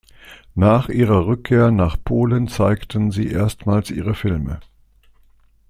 Nach ihrer Rückkehr nach Polen zeigten sie erstmals ihre Filme.